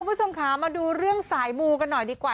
คุณผู้ชมค่ะมาดูเรื่องสายมูกันหน่อยดีกว่า